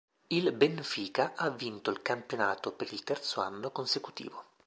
Il Benfica ha vinto il campionato per il terzo anno consecutivo.